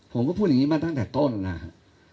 ผมก็พูดอย่างนี้มาตั้งแต่ต้นนะครับ